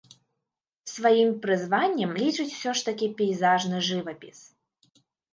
Сваім прызваннем лічыць усё ж такі пейзажны жывапіс.